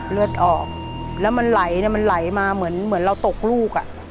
เลือดออกแล้วมันไหลมันไหลมาเหมือนเราตกลูกอ่ะ